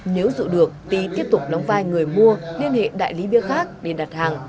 nếu rụ được tý tiếp tục đóng vai người mua liên hệ đại lý bia khác để đặt hàng